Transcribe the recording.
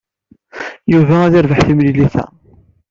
Yuba ad yerbeḥ timlilit-a.